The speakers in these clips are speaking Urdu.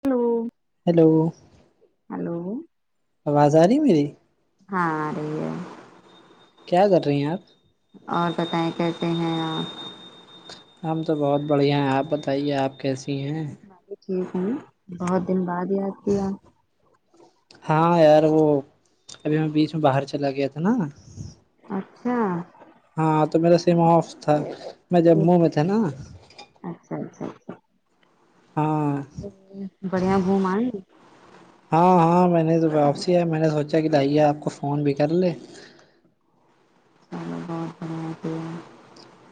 ہیلو ہیلو ہیلو آواز آرہی ہے میری ہاں ارہی ہے کیا کر رہی ہیں آپ اور بتائیں کہتے ہیں آپ ہم تو بہت بڑھیا ہیں آپ بتائیے آپ کیسی ہیں ہم بھی ٹھیک ہیں بہت دن بعد یاد کیا ہاں یار وہ ابھی میں بیچ میں باہر چلا گیا تھا نا اچھا ہاں تو میرا سم اف تھا میں جموں میں تھا نا اچھا اچھا ہاں بڑھیا گھوم ائے ہاں ہاں میں نے تو واپس ہی ائے میں نے سوچا کہ لائیے آپ کو فون بھی کر لے [unintelligible]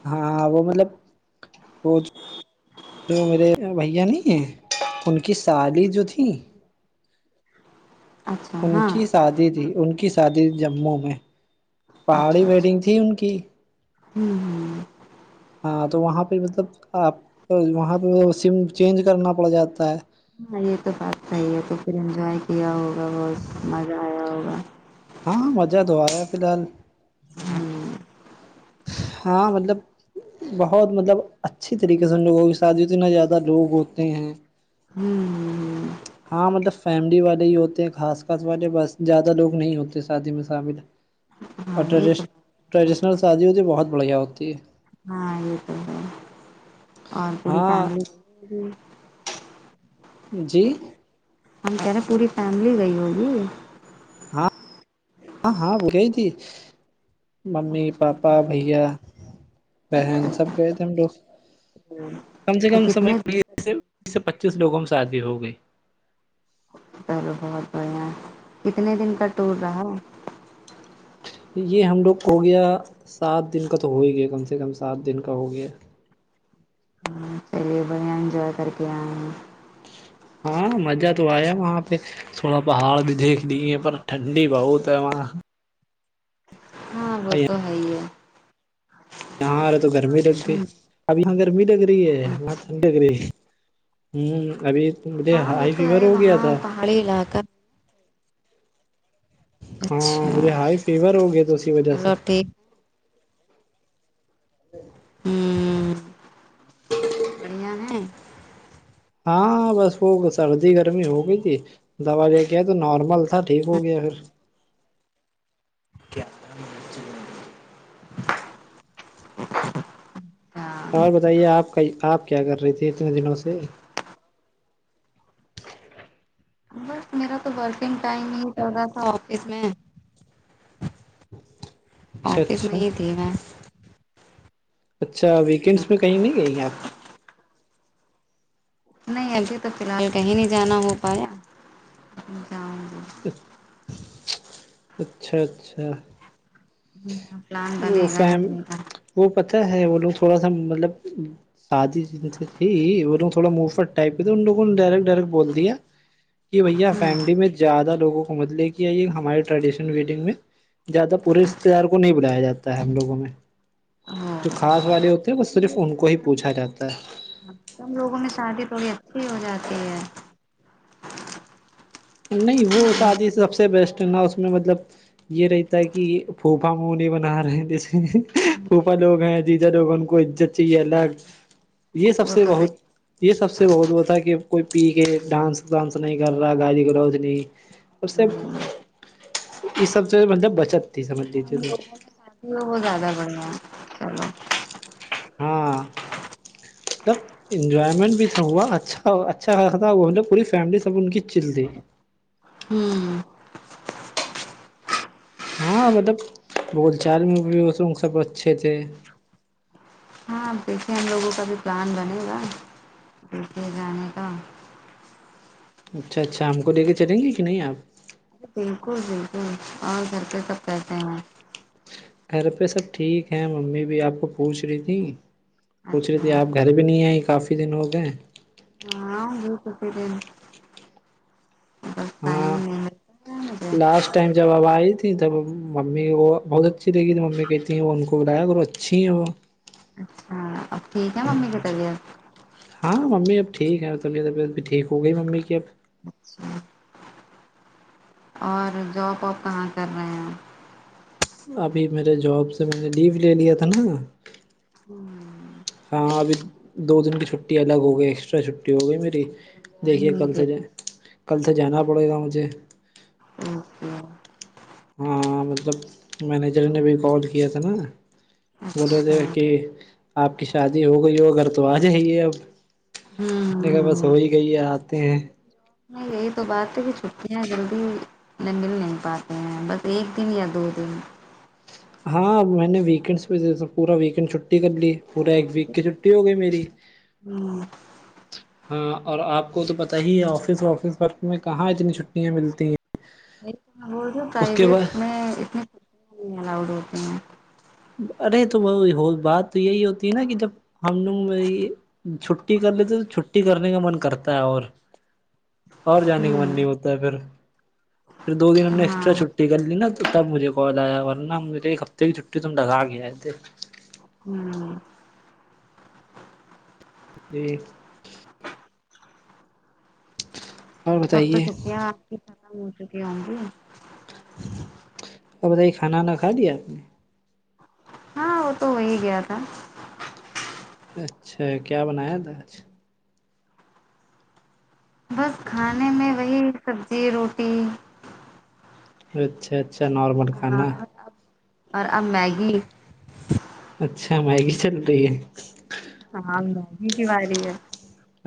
ہاں وہ مطلب وہ جو میرے بھیا نہیں ہیں ان کی سالی جو تھی اچھا ان ہاں کی شادی تھی ان کی شادی تھی جموں میں پہاڑی ویڈنگ تھی ان کی ہمم ہمم ہاں تو وہاں پہ مطلب آپ وہاں پہ سم چینج کرنا پڑ جاتا ہے ہاں یہ تو بات صحیح ہے تو پھر انجوائے کیا ہوگا بہت مزہ آیا ہوگا ہاں مزہ تو آیا فی الحالی ہمم ہاں مطلب بہت مطلب اچھی طریقے سے ان لوگوں شادی ہوتی نہ زیادہ لوگ ہوتے ہیں ہمم ہاں مطلب فیملی والے ہی ہوتے ہیں خاص خاص والے بس زیادہ لوگ نہیں ہوتے شادی میں شامل ہاں اور یہ تو ٹریش ٹریڈیشنل شادی ہوتی ہے بہت بڑھیا ہوتی ہے ہاں یہ تو ہے اور پوری ہاں فیملی گئی ہوگی جی ہم کہہ رہے ہیں پوری فیملی گئی ہوگی ہاں ہاں ہاں وہ گئی تھی ممی پاپا بھیا بہن سب اچھا گئے تھے ہم لوگ کم سے تو کم سمے کتنے کے دن لیے بیس سے پچیس لوگوں کی شادی ہو گئی چلو بہت بڑھیا ہے کتنے دن کا ٹور رہا یہ ہم لوگ کو ہو گیا سات دن کا تو ہو ہی گیا کم سے کم سات دن کا ہو گیا چلیے بڑھیا انجوائے کر کے آئے ہیں ہاں مزہ تو آیا وہاں پہ تھوڑا پہاڑ بھی دیکھ لے ہیں پر ٹھنڈی بہت ہے وہاں ہاں وہ تو ہے ہی ہے یہاں آ رہا تو گرمی لگ گئی اب یہاں گرمی لگ رہی ہے وہاں ٹھنڈی لگ رہی ہمم ابھی مجھے ہاں وہ ہائی تو فیور ہے ہو گیا وہاں تھا پہاڑی علاقہ ہاں اچھا مجھے ہائی فیور ہو گیا تو اسی وجہ سے چلو ٹھیک ہوں کیا ہے ہاں بس وہ سردی گرمی ہو گئی تھی دوا لے کے تو نارمل تھا ٹھیک ہو گیا پھر اور بتائیے آپ کا آپ کیا کر رہی تھی اتنے دنوں سے بس میرا تو ورکنگ ٹائم ہی چل رہا تھا آفس میں اچھا آفس اچھا میں تھی میں اچھا ویکینڈس میں کہیں نہیں گئی ہیں آپ نہیں ابھی تو فلحال کہیں نہیں جانا ہو پایا جاؤں گی اچھا اچھا جی وہ فیم وہ پتہ ہے وہ لوگ تھوڑا سا مطلب شادی تھی وہ لوگ تھوڑا مہفٹ ٹائپہ تھے ان لوگوں نے ڈائریکٹ ڈائریکٹ بول دیا کہ بھیا ہوں فیملی میں زیادہ لوگوں کو متلے کے یہ ہمارے ٹریڈیشنل ویڈنگ میں زیادہ پوری اچھا رشتےدار کو نہیں لیا جاتا ہے ہم لوگوں میں جو ہاں خاص والے ہوتے ہیں وہ صرف ان کو ہی پوچھا جاتا ہے سم لوگوں میں شادی تھوڑی اچھی ہو جاتی ہے نہیں وہ شادی سب سے بیسٹ ہے نا اس میں مطلب یہ رہتا ہے کہ پھوفا منے بنا رہے ہیں جیسے پوپا لوگ ہیں جیجا لوگ ہیں ان کو عزت چاہیے الگ یہ سب وہ سے تو صحیح بہت یہ سب سے بہت وہ تھا کہ کوئی پی کے ڈانس وانس نہیں کر رہا گالی نہیں اس سے یہ سب سے مطلب بچت تھی سمجھ لیجیے تو اتی ہو وہ زیادہ بڑھیا ہے چلو ہاں تو انجوائمنٹ بھی تھا ہوا اچھا اچھا تھا وہ نے پوری فیملی سب ان کی چل دی ہوں ہاں مطلب بول چال میں بھی اس سب اچھے تھے ہاں اب دیکھیے ہم لوگوں کا بھی پلان بنے گا دیکھیے جانے کا اچھا اچھا ہم کو لے کے چلیں گے کہ نہیں آپ بالکل بالکل اور گھر پہ سب کیسے ہیں گھر پہ سب ٹھیک ہے ممی بھی آپ کو پوچھ رہی تھی پوچھ رہی تھی اچھا آپ گھر بھی نہیں آئی کافی دن ہو گئے [inaudible] ہاں [inaudible] لاسٹ ٹائم جب اب آئی تھی تب ممی وہ بہت اچھی لگی تو ممی کہتی وہ ان کو بلایا کر اچھی ہے وہ اچھا اب ٹھیک ہے [inaudible] ہاں ممی اب ٹھیک ہے اور طبیت طبیعت بھی ٹھیک ہو گئی ممی کی اب اچھا اور جاب واب کہاں کر رہے ہیں آپ ابھی میرے جاب سے میں نے لیو لے لیا تھا نا ہوں ہاں ابھی دو دن کی چھٹی الگ ہو گئی ایکسٹرا چھٹی ہو گئی میری دیکھیے جوائن نہیں کل سے کیا جو کل سے جانا پڑے گا مجھے اوکے ہاں مطلب مینیجر نے بھی کال کیا تھا نا بول رہے تھے اچھا کہ آپ کی شادی ہو گئی ہو ا گگر تو آ جائیے اب سنے کا بس ہوں ہو ہی گئی ہے آتے ہیں نہیں یہی تو بعات ت بھی چھٹیاں جلدی نہیں مل نہیں پاتے ہیں بس ایک دن یا دو دن ہاں میں نے ویکینڈ پہ پورا ویکینڈ چھٹی کر لی پورا ایک ویک کی چھٹی ہو گئی میری ہوں ج [unintelligible] ہاں اور آپ کو تو پتہ ہی ہے آفس وافس ورک میں کہاں اتنی چھٹیاں ملتی ہیں کہ بول اس کے پرائیویٹ بعد میں اتنییا اؤڈ ہوتی ہیں ارے تو وہ ہو بات تو یہی ہوتی ہے نا کہ جب ہم لوگ چھٹی کر لیتے تو چھٹی کرنے کا من کرتا ہے اور اور جانے کا من نہیں ہوں ہوتا ہے پھر پھر دو دن ہم نے ایکسٹا ہاں چھٹی کر لی ن توبجھے کال آیا ورن نا مھے ایک ہفتے کی چھٹی تم ڈا گا گے ہےئے تھے ہوں جی اور سب تو بتائیے سکں کی ختم ہو چکی ہوں گی اور بتائی کھانا نہ کھا دیا آپ نے ہاں وہی گیا تھا اچھا کیا بنایا تھاج بس [unintelligible] کہ کھانے میں وہی سبزی روٹی اچھا اچھا نارمل ہاں کھانا اور اب اور اب میگی اچھا میگی چل رہی ہے ہاں الدازی کی والی ہے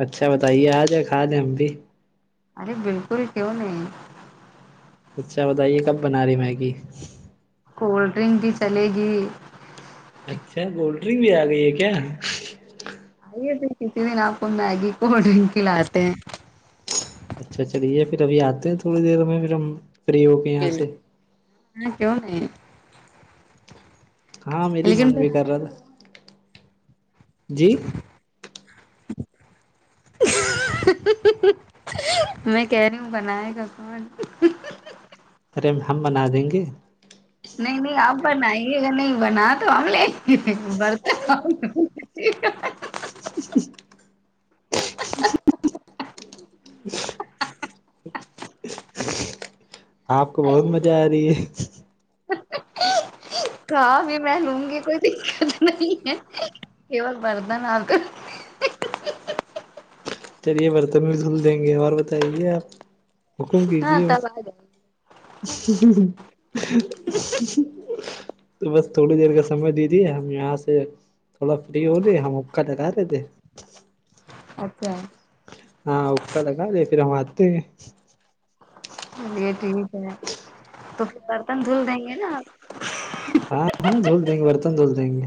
اچھا بتائیے آ جائے کھا لیں ہم بھی ارے بالکل ہی ہو نہیں اچھا بتائیے کب بنا رہی میگی کولڈ ڈرنک بھی چلے گی اچھا کولڈ ڈرنک بھی آ گئی ہے کیا ج [unintelligible] کسی دن آپ کو میگی کو ڈرنک کلاتے ہیں اچھا چلیے پھر ابھی آتے ہیں تھوڑی دیر میں پھر ہم فری ہو کے یہاں سے ہ کہوں نہیں ہاں میری من لیکن بھی کر رہا تھا جی [unintelligible] میں کہہ رہی ہوں بنائے گا کون ارے ہم بنا دیں گے نہیں نہیں آپ بنائیے اگر نہیں بنا تو ہم لیں برتے [unintelligible] ج ج [unintelligible] آپ کو بہت مزہ آ رہی ہے کا بھی میں لوں گی کوئی دقت نہیں ہے کیول مردن آ تو چلیے برتن بھی دھل دیں گے اور بتائیے آپ حکم ہاں کیجیے بس تب آ جائیں [unintelligible] تو بس تھوڑی دیر کا سمے دیجیے ہم یہاں سے تھوڑا فری ہو گے ہم اکا لگا رہے تھے اچھا ہاں اوپر لگا دے پھر ہم آتے ہیں چلیے ٹھیک ہے تو پھر برتن دھل دیں گے نا آپ ہاں ہاں دھول دیں گے برتن دھول دیں گے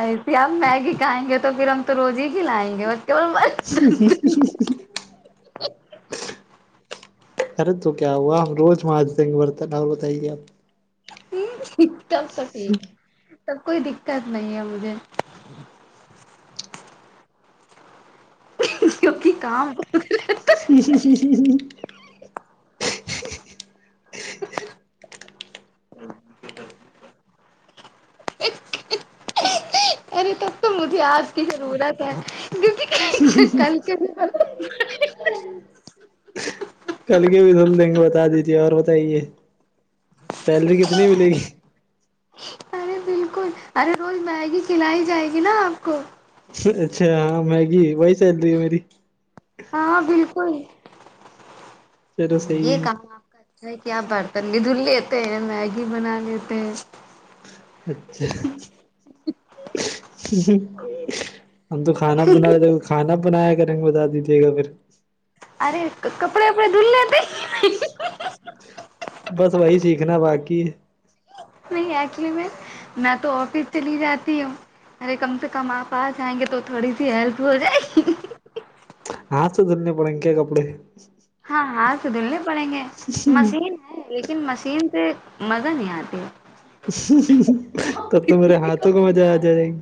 ایسے اب میگی کھائیں گے تو پھر ہم تو روزی ہی لائیں گے وہ [inaudible] [inaudible] ارے تو کیا ہوا ہم روز مانج دیں گے برتن اور بتائیے آپ جی تب تو ٹھیک ہے تب کوئی دقت نہیں ہے مجھے کیونکہ کام [inaudible] [inaudible] ارے تب تو مجھے آج کی ضرورت ہے [inaudible] کیونکہ کل کے کل کے بھی دل دیں گے بتا دیجیے اور بتائیے سیلری کتنی ملے گی ارے بالکل ارے روز میگی کھلائی جائے گی نا آپ کو اچھا ہاں میگی وہی سیلری ہے میری ہاں بالکل چلو یہ صحیح ہے کہاں کیا آپ برتلی دھل لیتے ہیں میگی بنا لیتے ہیں اچھا ہم تو کھانا بنا کھانا بنایا کریں گے بتا دیجیے گا پھر ارے کپڑے وپڑے دھو لتے بس وہی سیکھنا باقی نہیں ایکلیمٹ میں تو آفس چلی جاتی ہوں ارے کم سے کم آپ آ جائیں گے تو تھوڑی سی ہیلپ ہو جائے گی ہاں سو دننے پڑ کیا کپڑے ہاں ہات تو دھلنے پڑیں گے مشین ہے لیکن مشین سے مزہ نہیں آتی ہے تب تو میرے ہاتھوں کو مزہ آ جائے گے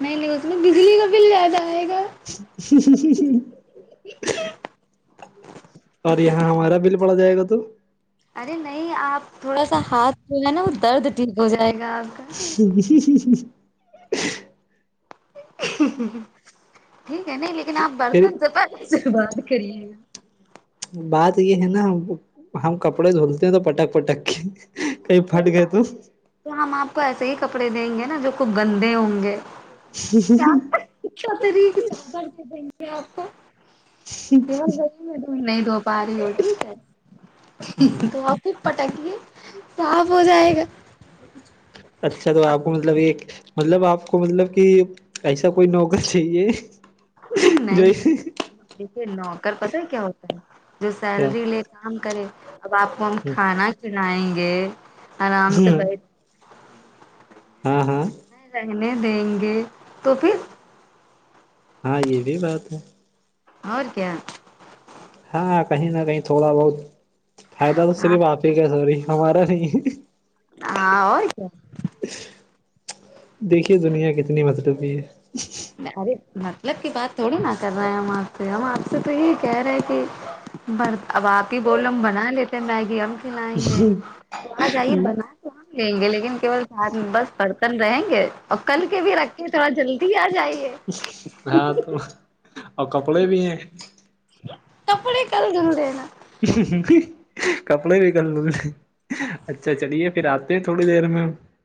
نہیں نہیں اس میں بجلی کا بل زیادہ آئے گا شیشی شیشی اور یہاں ہمارا بل پڑا جائے گا تو ارے نہیں آپ تھوڑا سا ہاتھ جو ہے نا وہ درد ٹھیک ہو جائے گا اب اس ٹھیک ہے نہیں لیکن آپ پھر برتن سے بات کریے گا بات یہ ہے نا ہم کپڑے دھولتے ہیں تو پٹک پٹک کے کئی فٹ کوئی گئے بات تو نہیں تو ہم آپ کو ایسے ہی کپڑے دیں گے نا جو خب گندے ہوں گے کیا اچھا طریق [inaudible] تم نہیں دھو باری ہو ٹھیک ہے تو آپ پھر پٹکیے صاف ہو جائے گا اچھا تو اور آپ کو مطلب ایک مطلب آپ کو مطلب کہ ایسا کوئی نوکر چاہیے جو نہیں نہیں دیکھیے نوکر پت ہے کیا ہوتا ہے جو کیا سیلری کام کرے اب آپ کو ہم کھانا کھلائیں گے آرام سے بیٹھ ہاں ہاں رہنے دیں گے تو پھر ہاں یہ بھی بات ہے اور کیا ہاں کہیں نہ کہیں تھوڑا بہت فائدہ تو ہاں صرف آپ ہی سوری ہمارا نہیں ہاں آت دیکھیے دنیا کتنی مز ڈوبی ہے ارے مطلب کی بات تھوڑی نہا کر رہے ہیں ہم آپ سے ہم آپ سے تو یہی کہہ رہے کہ بر اب آپ ہی بول ہم بنا لیتے میگی ہم کھلائیں گے تو آ جائیے بنا لیں گے لیکنول سات میں بس برتن رہیں گے اور کل کے بھی رکھ کے تھوڑا جلدی آ ج ہے [inaudible] ہاں تو اور کپڑے بھی ہیں کپڑے کر دے ن کپڑے بھی کر لے اچھا چلیے پھر آتے ہیں تھوڑی دیر میں